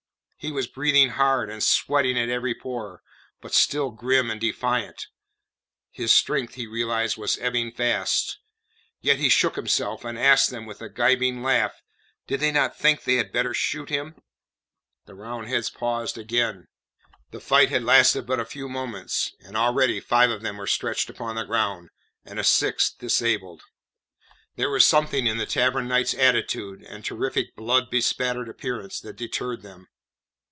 He was breathing hard and sweating at every pore, but still grim and defiant. His strength, he realized, was ebbing fast. Yet he shook himself, and asked them with a gibing laugh did they not think that they had better shoot him. The Roundheads paused again. The fight had lasted but a few moments, and already five of them were stretched upon the ground, and a sixth disabled. There was something in the Tavern Knight's attitude and terrific, blood bespattered appearance that deterred them.